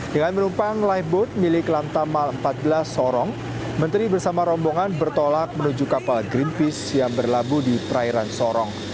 dengan menumpang live boat milik lantamal empat belas sorong menteri bersama rombongan bertolak menuju kapal greenpeace yang berlabuh di perairan sorong